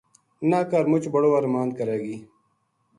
نہ کر مُچ بڑو ارماند کرے گی